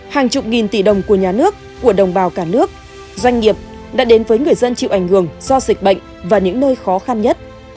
hàng chục nghìn tỷ đồng của nhà nước của đồng bào cả nước doanh nghiệp đã đến với người dân chịu ảnh hưởng do dịch bệnh và những nơi khó khăn nhất